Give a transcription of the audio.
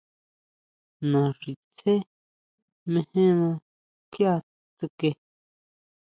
Naxitsé mejena kjuia tsuke.